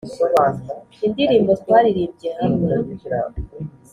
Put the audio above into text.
indirimbo twaririmbye hamwe